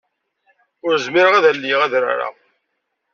Ur zmireɣ ad alyeɣ adrar-a.